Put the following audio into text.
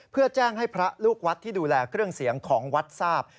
เพื่อแจ้งให้พระลูกวัดที่ดูแลเครื่องเสียงของวัดทราบ